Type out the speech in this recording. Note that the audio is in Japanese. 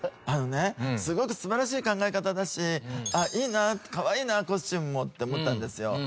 あのねすごく素晴らしい考え方だしあっいいなかわいいなコスチュームもって思ったんですよ。